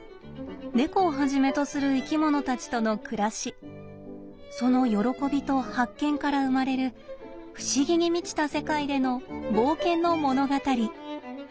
猫をはじめとする生き物たちとの暮らしその喜びと発見から生まれる不思議に満ちた世界での冒険の物語。